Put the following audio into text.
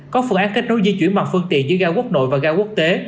có phương án kết nối di chuyển mặt phương tiện giữa nga quốc nội và nga quốc tế